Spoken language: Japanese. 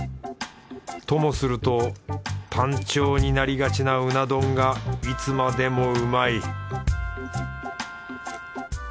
ともすると単調になりがちなうな丼がいつまでもうまい